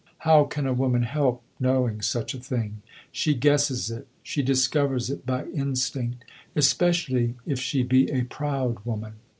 "How can a woman help knowing such a thing? She guesses it she discovers it by instinct; especially if she be a proud woman."